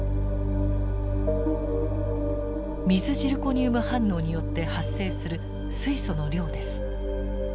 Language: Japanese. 水ジルコニウム反応によって発生する水素の量です。